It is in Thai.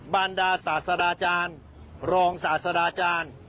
บรรดาศาสดาอาจารย์รองศาสดาอาจารย์